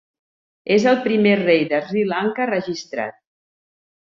És el primer rei de Sri Lanka registrat.